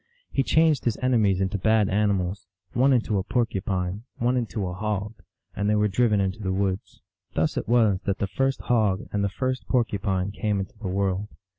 He changed his enemies into bad animals, one into a porcupine, one into a hog, and they were driven into the woods. Thus it was that the first hog and the first porcupine came into the world.